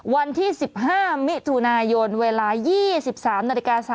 วันที่๑๕มิถุนายนเวลา๒๓นาฬิกา